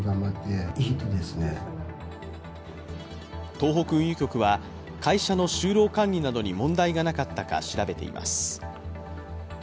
東北運輸局は、会社の就労管理などに問題がなかったか調べています。